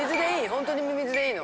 ほんとにミミズでいいの？